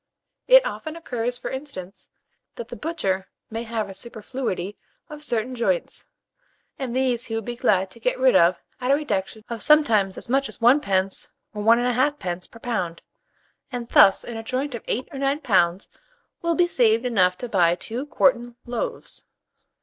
It often occurs, for instance, that the butcher may have a superfluity of certain joints, and these he would be glad to get rid of at a reduction of sometimes as much as 1d. or 1 1/2d. per lb., and thus, in a joint of 8 or 9 lbs., will be saved enough to buy 2 quartern loaves.